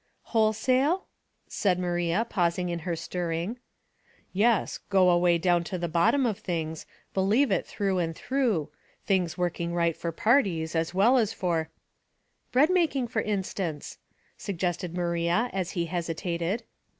" Wholesale ?" said Maria, pausing in her stirring . Theory. 49 " Yes ; go away down to the bottom of things — believe it through and through — things work ing right for parties as well as for —"" Bread making, for instance," suggested Ma ria, as he hesitated.